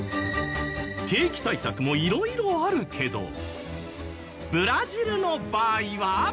景気対策も色々あるけどブラジルの場合は？